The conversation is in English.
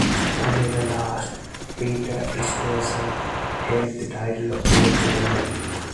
Only the last, Peter Stuyvesant, held the title of Director General.